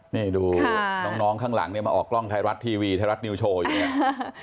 นี่ดูน้องข้างหลังเนี่ยมาออกกล้องไทยรัฐทีวีไทยรัฐนิวโชว์อยู่เนี่ย